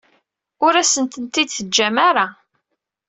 Ur asent-ten-id-teǧǧam ara.